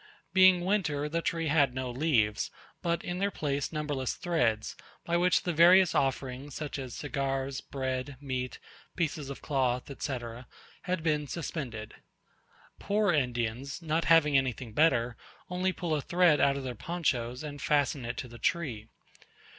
Being winter the tree had no leaves, but in their place numberless threads, by which the various offerings, such as cigars, bread, meat, pieces of cloth, etc., had been suspended. Poor Indians, not having anything better, only pull a thread out of their ponchos, and fasten it to the tree.